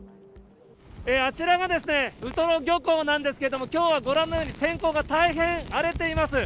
あちらがウトロ漁港なんですけども、きょうはご覧のように天候が大変荒れています。